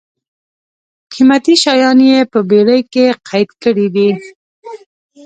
قېمتي شیان یې په بېړۍ کې قید کړي دي.